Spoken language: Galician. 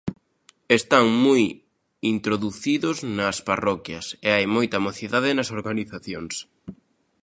Están moi introducidos nas parroquias e hai moita mocidade nas organizacións.